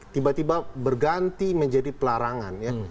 tiba tiba berganti menjadi pelarangan ya